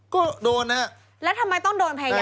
ก็โดนนะฮะแล้วทำไมต้องโดนพยายาม